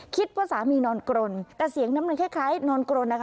คิดว่าสามีนอนกรนแต่เสียงน้ำมันคล้ายนอนกรนนะคะ